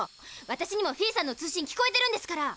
私にもフィーさんの通信聞こえてるんですから。